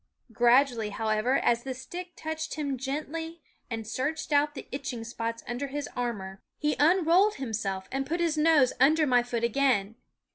Gradually, however, as the stick touched him gently and searched out the itching spots under his armor, he unrolled himself and put his nose under my foot again.